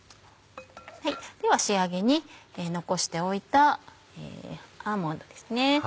では仕上げに残しておいたアーモンドですね。